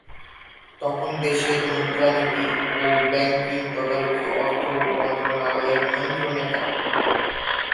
তখন দেশের মুদ্রানীতি ও ব্যাংকিং তদারকি অর্থ মন্ত্রণালয়ের নিয়ন্ত্রণে থাকে।